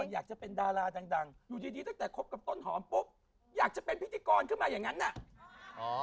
อยากจะเป็นดาราดังอยู่ดีตั้งแต่คบกับต้นหอมปุ๊บอยากจะเป็นพิธีกรขึ้นมาอย่างนั้นน่ะ